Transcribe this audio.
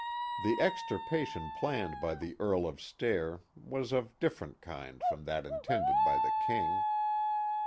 The extirpation planned by the Earl of Stair was of a dif ferent kind from that intended by the King.